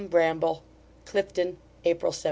BRAMBLE CLIFTON, April 17.